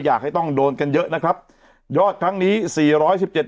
อยากให้ต้องโดนกันเยอะนะครับยอดครั้งนี้สี่ร้อยสิบเจ็ด